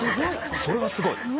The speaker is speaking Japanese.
それはすごい。